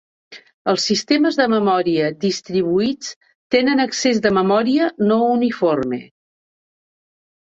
Els sistemes de memòria distribuïts tenen accés de memòria no uniforme.